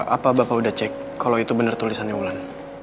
apa bapak udah cek kalau itu bener tulisannya wulan